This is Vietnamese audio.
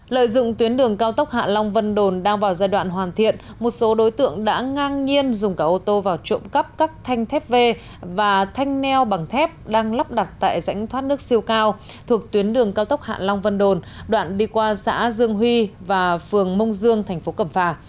lợi dụng tuyến đường cao tốc hạ long vân đồn đang vào giai đoạn hoàn thiện một số đối tượng đã ngang nhiên dùng cả ô tô vào trộm cắp các thanh thép v và thanh neo bằng thép đang lắp đặt tại rãnh thoát nước siêu cao thuộc tuyến đường cao tốc hạ long vân đồn đoạn đi qua xã dương huy và phường mông dương thành phố cẩm phà